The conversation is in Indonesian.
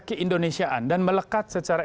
keindonesiaan dan melekat secara